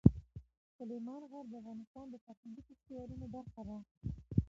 سلیمان غر د افغانستان د فرهنګي فستیوالونو برخه ده.